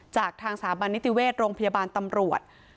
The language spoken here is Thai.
จากทางสารบรรณนิติเวทย์โรงพยาบาลตำรวจ